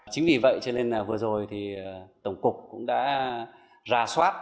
chính vì vậy cho nên vừa rồi thì tổng cục cũng đã ra soát